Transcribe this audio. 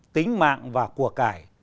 tính mạng và của cải